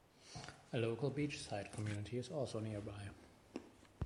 A local beachside community is also nearby.